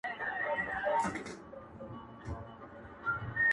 او له سترگو يې څو سپيني مرغلري.